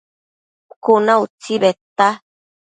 Cuna utsi bedta